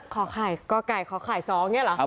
ขอไข่ก็ไข่ขอไข่สองเนี่ยเหรอ